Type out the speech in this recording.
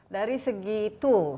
bisa menjadikan kemampuan dia belajar